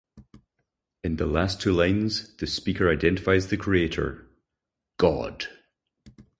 In the last two lines the speaker identifies the creator: God.